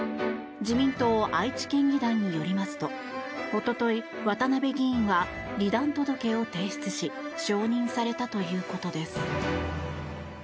自民党愛知県議団によりますとおととい、渡辺議員は離団届を提出し承認されたということです。